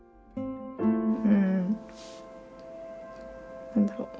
ん何だろう